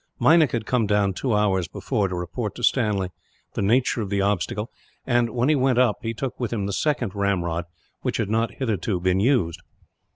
Meinik had come down two hours before, to report to Stanley the nature of the obstacle and, when he went up, he took with him the second ramrod, which had not hitherto been used.